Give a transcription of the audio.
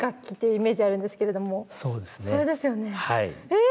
え！